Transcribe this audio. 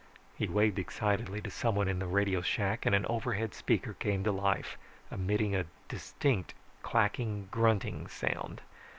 He waved excitedly to someone in the radio shack and an overhead speaker came to life emitting a distinct clacking grunting sound.